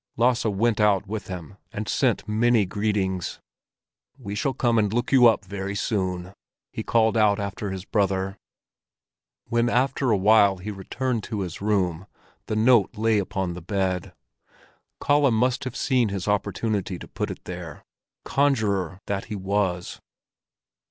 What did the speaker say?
Lasse went out with him, and sent many greetings. "We shall come and look you up very soon," he called out after his brother. When after a little while he returned to his room, the note lay upon the bed. Kalle must have seen his opportunity to put it there, conjurer that he was.